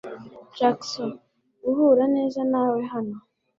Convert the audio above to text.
Jackson, guhura neza nawe hano.